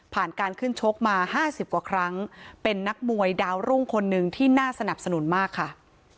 การขึ้นชกมา๕๐กว่าครั้งเป็นนักมวยดาวรุ่งคนหนึ่งที่น่าสนับสนุนมากค่ะ